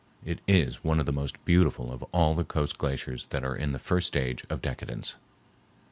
It is one of the most beautiful of all the coast glaciers that are in the first stage of decadence.